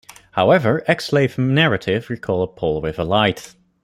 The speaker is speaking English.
However, ex-slave narrative recall a pole with a light.